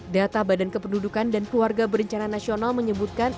data badan kependudukan dan keluarga berencana nasional menyebutkan